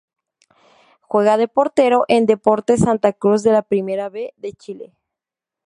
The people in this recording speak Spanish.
Juega de portero en Deportes Santa Cruz de la Primera B de Chile.